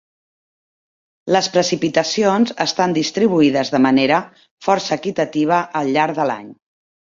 Les precipitacions estan distribuïdes de manera força equitativa al llarg de l'any.